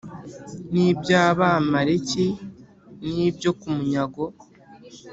n’iby’Abamaleki n’ibyo ku munyago